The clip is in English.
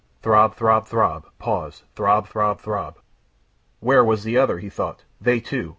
Throb, throb, throb, pause, throb, throb, throb. "Where was the other?" he thought. "They too